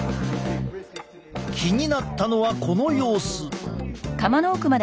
気になったのはこの様子。